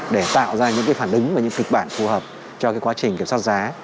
để tạo ra những cái phản đứng và những kịch bản phù hợp cho cái quá trình kiểm soát giá